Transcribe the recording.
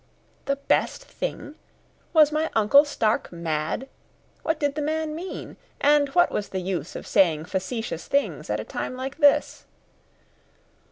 The best thing! Was my uncle stark mad? What did the man mean? and what was the use of saying facetious things at a time like this?